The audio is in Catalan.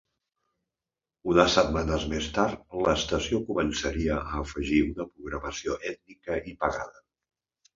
Unes setmanes més tard, l"estació començaria a afegir una programació ètnica i pagada.